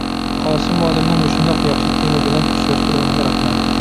قاسىم مۇئەللىمنىڭ مۇشۇنداق ياخشى تېما بىلەن ئۇچراشتۇرغىنىغا رەھمەت!